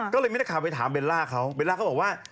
ก็เลยไม่ได้ข่าวไปถามเบลล่าเขาเบลล่าเขาบอกว่า